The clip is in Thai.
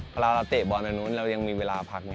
เวลาเราเตะบอลแบบนู้นเรายังมีเวลาพักนะ